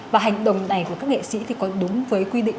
và hành động này của các nghệ sĩ có đúng với quy định